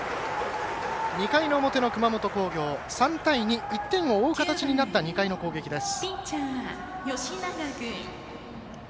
２回の表の熊本工業３対２、１点を追う形になった２回の攻撃です。